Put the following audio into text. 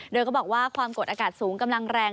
โดยก็บอกว่าความกดอากาศสูงกำลังแรง